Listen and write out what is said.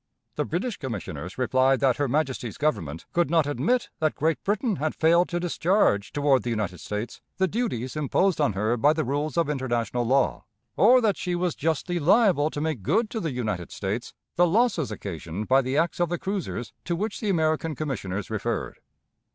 The British Commissioners replied that her Majesty's Government could not admit that Great Britain had failed to discharge toward the United States the duties imposed on her by the rules of international law, or that she was justly liable to make good to the United States the losses occasioned by the acts of the cruisers to which the American Commissioners referred.